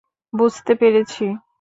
বুঝতে পেরেছি।